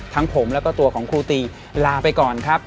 ผมแล้วก็ตัวของครูตีลาไปก่อนครับ